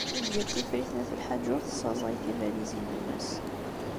Lidya n Tifrit n At Lḥaǧ ur tessaẓay tibalizin-nnes.